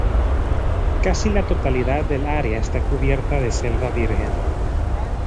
Casi la totalidad del área está cubierta de selva virgen.